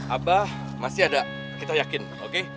abah masih ada kita yakin oke